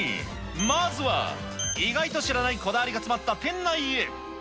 まずは、意外と知らないこだわりが詰まった店内へ。